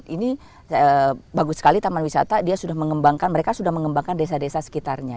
ini bagus sekali taman wisata mereka sudah mengembangkan desa desa sekitarnya